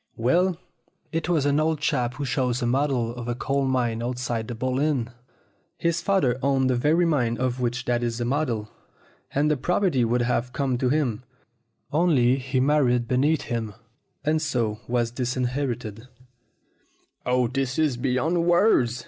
"Well, it was an old chap who shows a model of a coal mine outside the Bull Inn. His father owned the very mine of which that is a model, and the property would have come to him, only he married beneath him, and so was disinherited." A MODEL MAN 31 "Oh, this is beyond words!